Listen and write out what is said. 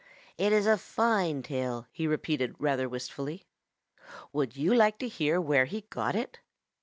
"It is a fine tail," he repeated rather wistfully. "Would you like to hear where he got it?"